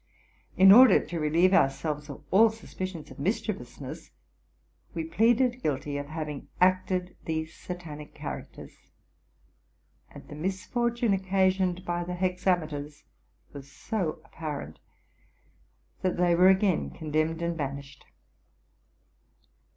In order to relieve our selves of all suspicions of mischievousness, we pleaded guilty of having acted these Satanic characters; and the misfortune occasioned by the hexameters was so apparent, that they were again condemned and banished.